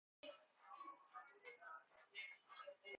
مستعظم